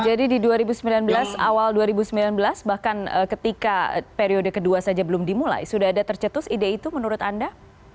jadi di dua ribu sembilan belas awal dua ribu sembilan belas bahkan ketika periode kedua saja belum dimulai sudah ada tercetus ide itu menurut anda